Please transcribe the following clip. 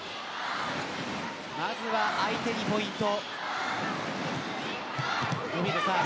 まずは相手にポイント。